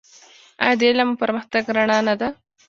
آیا د علم او پرمختګ رڼا نه ده؟